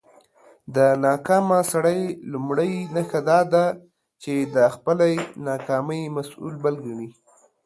د ناکامه سړى لومړۍ نښه دا ده، چې د خپلى ناکامۍ مسول بل کڼې.